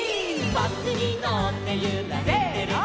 「バスにのってゆられてる」